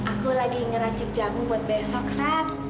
aku lagi ngerancit jamu buat besok sat